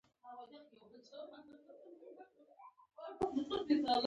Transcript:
کتابچه د استاد د ارزونې وسیله ده